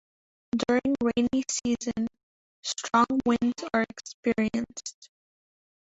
During rainy season strong winds are experienced.